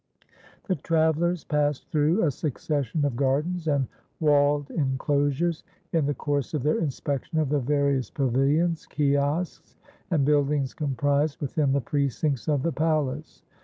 The travellers passed through a succession of gardens and walled enclosures, in the course of their inspection of the various pavilions, kiosks, and buildings comprised within the precincts of the palace.